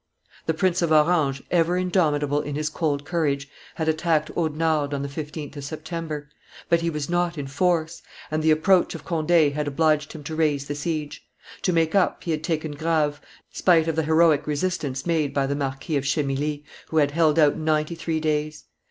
The Prince 6f Orange, ever indomitable in his cold courage, had attacked Audenarde on the 15th of September; but he was not in force, and the, approach of Conde had obliged him to raise the siege; to make up, he had taken Grave, spite of the heroic resistance made by the Marquis of Chemilly, who had held out ninety three days.